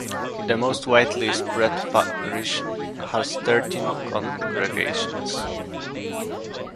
The most widely spread parish has thirteen congregations.